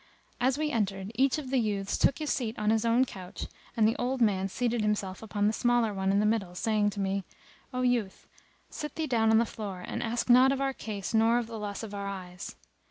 As we entered each of the youths took his seat on his own couch and the old man seated himself upon the smaller one in the middle saying to me, "O youth, sit thee down on the floor and ask not of our case nor of the loss of our eyes."